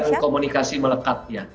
kami melakukan komunikasi melekat ya